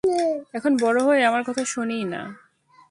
এখন বড় হয়ে আমার কথা শোনেই না।